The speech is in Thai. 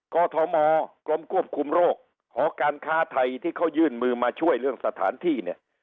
กอทมกรมควบคุมโรคหอการค้าไทยที่เขายื่นมือมาช่วยเรื่องสถานที่เนี่ย